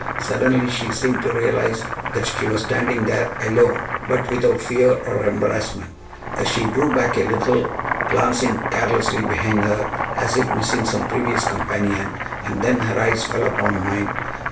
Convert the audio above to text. Suddenly she seemed to realize that she was standing there alone, but without fear or embarrassment. She drew back a little, glancing carelessly behind her as if missing some previous companion, and then her eyes fell upon mine.